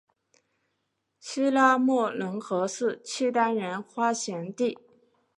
西拉木伦河是契丹人发祥地。